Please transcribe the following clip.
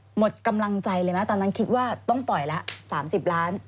หมดกำลังใจเลยไหมตอนนั้นคิดว่าต้องปล่อยละ๓๐ล้าน